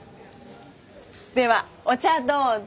ではお茶どうぞ。